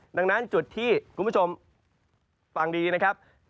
ดังนั้นจุดที่คุณผู้ชมฟังดีนะครับ